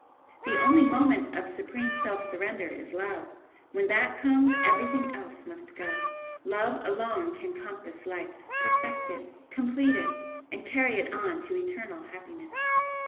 The only 'moment' of supreme self surrender is Love when that comes everything else must go. Love alone can compass life, perfect it, complete it and carry it on to eternal happiness.